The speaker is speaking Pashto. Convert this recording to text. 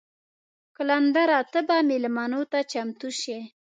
قلندره ته به میلمنو ته چمتو شې.